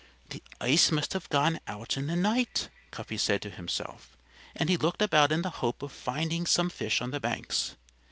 "The ice must have gone out in the night," Cuffy said to himself. And he looked about in the hope of finding some fish on the banks.